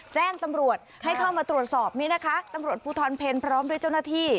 แจ้งตำรวจให้เข้ามาตรวจสอบนี้นะคะตำรวจภูทรเพลพร้อมด้วยเจ้าหน้าที่